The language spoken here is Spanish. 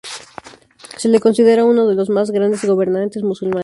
Se le considera uno de los más grandes gobernantes musulmanes.